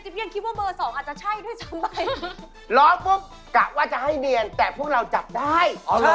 เพราะฉะนั้นเบอร์๒ยังไม่ใช่๑๐๐